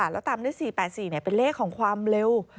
แล้วตามด้วย๔๘๔เป็นเลขของความเร็ว